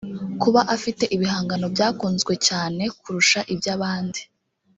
kuba afite ibihangano byakunzwe cyane kurusha iby’abandi